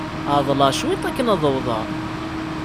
Ɛeḍḍleɣ cwiṭ akken ad d-awḍeɣ.